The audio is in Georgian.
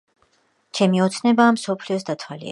ჩემი ოცნებაა მსოფლიოს დათვალიერება